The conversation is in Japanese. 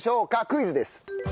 クイズです。